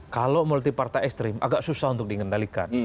kalau multi partai ekstrim agak susah untuk dikendalikan